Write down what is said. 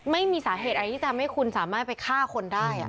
ไม่มีสาเหตุอะไรที่ทำให้คุณสามารถไปฆ่าคนได้